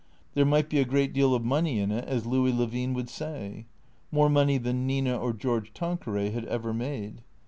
There might be a great deal of money in it, as Louis Levine would say. More money than Nina or George Tanqueray had ever made.